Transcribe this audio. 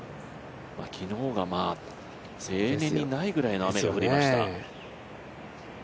昨日が例年にないぐらいの雨が降りました。